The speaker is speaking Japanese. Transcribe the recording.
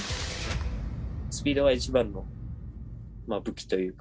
スピードが一番の武器というか。